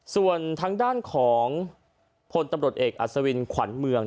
ส่วนทางด้านของพลตำรวจเอกอัศวินขวัญเมือง